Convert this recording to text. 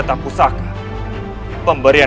aku pernah mendengar